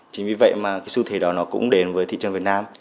chính vì vậy mà sự thể đó nó cũng đến với thị trường việt nam